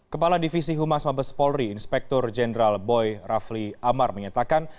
kepala divisi humas mabes polri inspektur jenderal boy rafli amar menyatakan